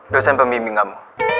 dosen pemimbing kamu